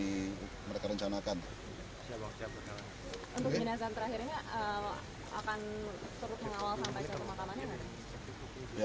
untuk jenazah terakhir ini akan turut mengawal sampai saat pemakamannya